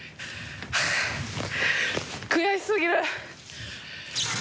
悔し過ぎる。